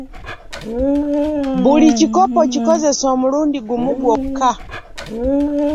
Buli kikopo kikozese omulundi gumu gwokka